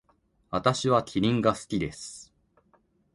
私はキリンが好きです。